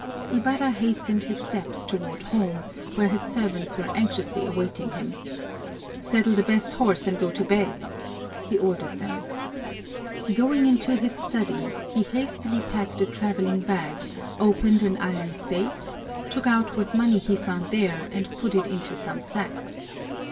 Ibarra hastened his steps toward home, where his servants were anxiously awaiting him. "Saddle the best horse and go to bed!" he ordered them. Going into his study, he hastily packed a traveling bag, opened an iron safe, took out what money he found there and put it into some sacks.